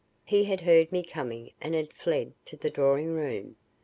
He had heard me coming and had fled to the drawing room.